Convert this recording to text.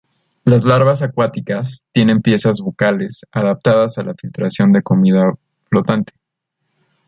Las larvas acuáticas tienen piezas bucales adaptadas a la filtración de comida flotante.